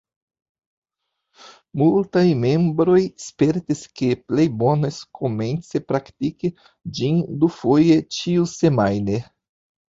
Multaj membroj spertis ke plej bonas komence praktiki ĝin dufoje ĉiusemajne.